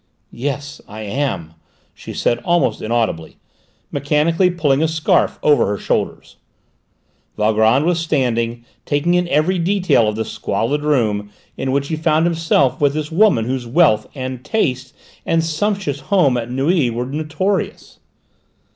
"Yes, I am," she said almost inaudibly, mechanically pulling a scarf over her shoulders. Valgrand was standing, taking in every detail of the squalid room in which he found himself with this woman whose wealth, and taste, and sumptuous home at Neuilly were notorious.